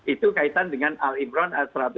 itu kaitan dengan al imran satu ratus tiga puluh empat